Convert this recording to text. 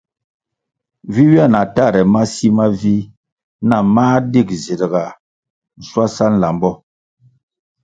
Vi ywia na tahre ma si ma vih nah mā dig zirʼga shwasa nlambo.